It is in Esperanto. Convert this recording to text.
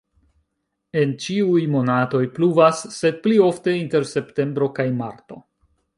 En ĉiuj monatoj pluvas, sed pli ofte inter septembro kaj marto.